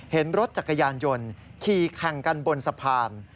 เห็นรถจักรยานยนต์ขี่แข่งกันบนสะพาน